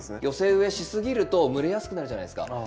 寄せ植えしすぎると蒸れやすくなるじゃないですか。